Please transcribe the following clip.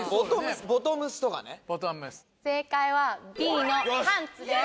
正解はＢのパンツです。